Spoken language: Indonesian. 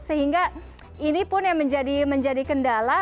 sehingga ini pun yang menjadi kendala